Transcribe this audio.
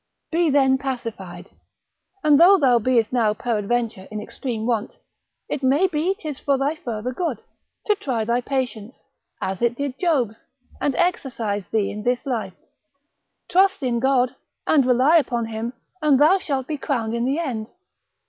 be then pacified. And though thou beest now peradventure in extreme want, it may be 'tis for thy further good, to try thy patience, as it did Job's, and exercise thee in this life: trust in God, and rely upon him, and thou shalt be crowned in the end.